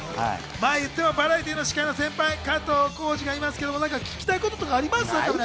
バラエティーの司会の先輩・加藤浩次がいますけど聞きたいことありますか？